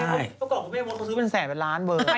เมื่อก่อนคุณแม่มดเขาซื้อเป็นแสนเป็นล้านเวอร์